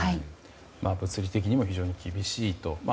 物理的にも非常に厳しいと。